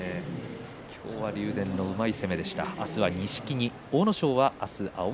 今日は竜電のうまい攻めでした。